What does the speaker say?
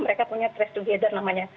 mereka punya trace together namanya